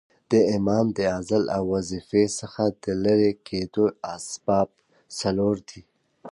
د امام د عزل او د وظیفې څخه د ليري کېدو اسباب څلور دي.